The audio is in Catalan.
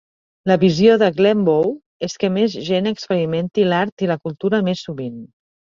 La visió de Glenbow és que més gent experimenti l'art i la cultura més sovint.